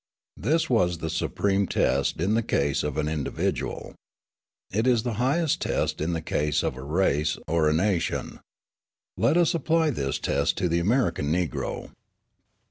This was the supreme test in the case of an individual. It is the highest test in the case of a race or a nation. Let us apply this test to the American Negro.